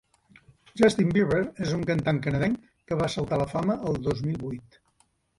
Justin Bieber és un cantant canadenc que va saltar a la fama el dos mil vuit.